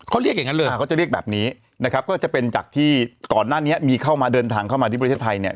เขาเรียกอย่างนั้นเลยเขาจะเรียกแบบนี้นะครับก็จะเป็นจากที่ก่อนหน้านี้มีเข้ามาเดินทางเข้ามาที่ประเทศไทยเนี่ย